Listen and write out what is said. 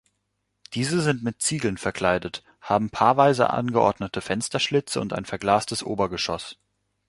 Diese sind mit Ziegeln verkleidet, haben paarweise angeordnete Fensterschlitze und ein verglastes Obergeschoss.